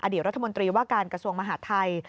รัฐมนตรีว่าการกระทรวงมหาดไทย